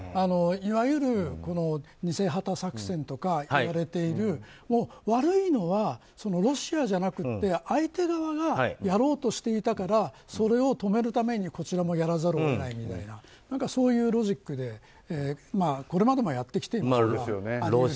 いわゆる偽旗作戦とか言われている悪いのはロシアじゃなくて相手側がやろうとしていたからそれを止めるために、こちらもやらざるを得ないみたいなそういうロジックでこれまでもやってきていますから。